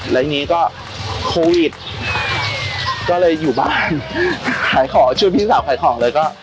แล้วทีนี้ก็โควิดก็เลยอยู่บ้านขายของช่วยพี่สาวขายของเลยก็